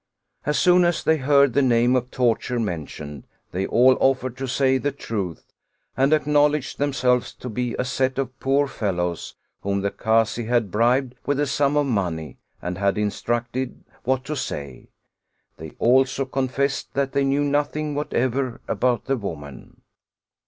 As soon as they heard the name of torture mentioned, they all offered to say the truth, and acknowledged themselves to be a set of poor fellows whom the Kazi had bribed with a sum of money and had instructed what to say; they also confessed that they knew nothing whatever about the woman.